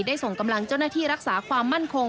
ส่งกำลังเจ้าหน้าที่รักษาความมั่นคง